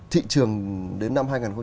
thị trường đến năm hai nghìn ba mươi